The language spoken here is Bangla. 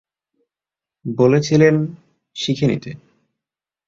বলেছিলেন, শিখে নিতে।